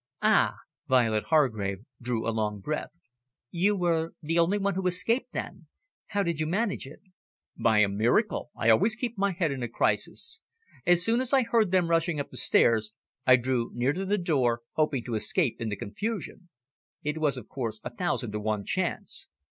"Ah!" Violet Hargrave drew a long breath. "You were the only one who escaped, then? How did you manage it?" "By a miracle. I always keep my head in a crisis. As soon as I heard them rushing up the stairs, I drew near to the door, hoping to escape in the confusion. It was, of course, a thousand to one chance.